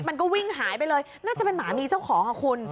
มันก็วิ่งหายไปเลยน่าจะเป็นหมามีเจ้าของอ่ะคุณ